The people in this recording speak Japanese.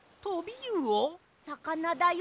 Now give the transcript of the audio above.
さかなだよ。